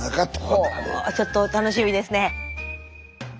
ほちょっと楽しみですね。